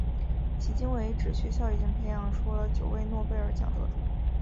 迄今为止学校已经培养出了九位诺贝尔奖得主。